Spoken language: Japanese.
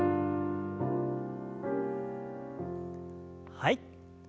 はい。